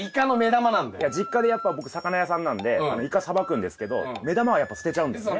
いや実家でやっぱ僕魚屋さんなんでイカさばくんですけど目玉はやっぱ捨てちゃうんですね。